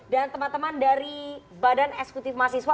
dan teman teman dari badan esekutif mas jawa